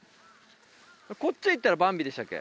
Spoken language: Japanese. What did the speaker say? こっち行ったらバンビでしたっけ？